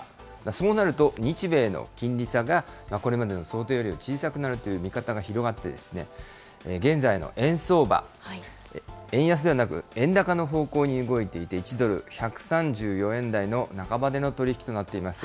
そうなると日米の金利差がこれまでの想定より小さくなるという見方が広がってですね、現在の円相場、円安ではなく円高の方向に動いていて、１ドル１３４円台の半ばでの取り引きとなっています。